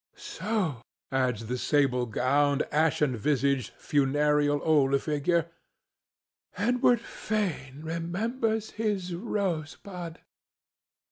So," adds the sable gowned, ashen visaged, funereal old figure, "Edward Fane remembers his Rosebud."